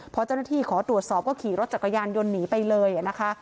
พอเจ้าหน้าที่ขอตรวจสอบก็ขี่รถจักรยานยนต์หนีไปเลยนะคะ